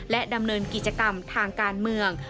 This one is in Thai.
ดำเนินกิจกรรมทางการเมือง